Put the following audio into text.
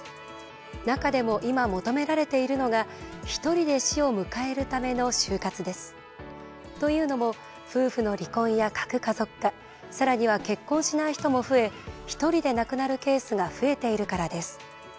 中でも今、求められているのがひとりで死を迎えるための終活です。というのも夫婦の離婚や核家族化さらには結婚しない人も増えひとりで亡くなるケースが増えているからです。